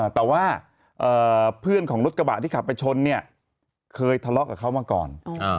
แต่ว่าเพื่อนของรถกระบะที่ขับไปชนเนี่ยเคยทะเลาะกับเขามาก่อน